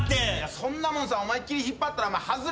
そんなもんさ思いっ切り引っ張ったら外れるだろ。